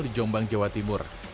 di jombang jawa timur